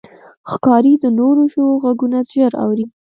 ښکاري د نورو ژوو غږونه ژر اوري.